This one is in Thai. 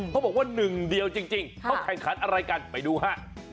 เขาบอกว่าหนึ่งเดียวจริงเขาแข่งขันอะไรกันไปดูฮะ